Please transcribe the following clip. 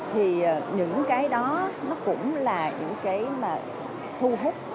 thì những cái đó nó cũng là những cái mà thu hút